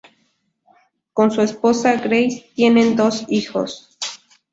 Con su esposa Grace tienen dos hijos.